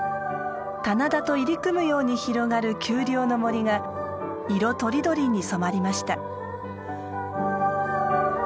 棚田と入り組むように広がる丘陵の森が色とりどりに染まりました。